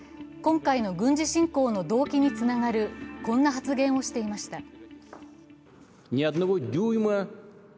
今回の軍事侵攻の動機につながるこんな発言をしていました。